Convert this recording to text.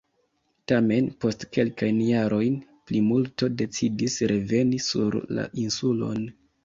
Tamen, post kelkajn jarojn, plimulto decidis reveni sur la insulon.